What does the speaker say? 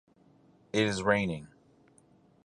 It is raining.